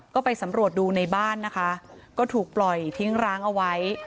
ก็ไปสำรวจดูในบ้านนะคะก็ถูกปล่อยทิ้งร้างเอาไว้